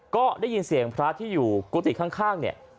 ก็ได้ยินเสียงพระที่อยู่กุฏิข้างเนี่ย